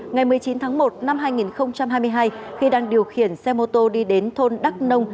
ngày một mươi chín tháng một năm hai nghìn hai mươi hai khi đang điều khiển xe mô tô đi đến thôn đắk nông